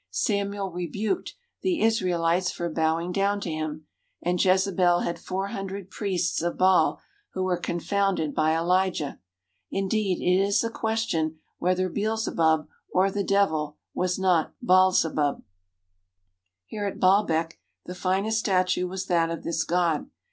Samuel rebuked the Israelites for bowing down to him, and Jezebel had four hundred priests of Baal who were confounded by Elijah. Indeed, it is a question whether Beelzebub, or the devil, was not Baalzebub. 235 THE HOLY LAND AND SYRIA Here at Baalbek the finest statue was that of this god.